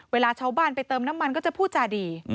เวลาชาวบ้านไปเติมน้ำมันก็จะพูดจาดี